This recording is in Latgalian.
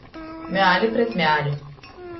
Mēli pret mēli.